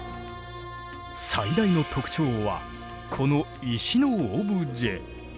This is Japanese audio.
最大の特徴はこの石のオブジェ。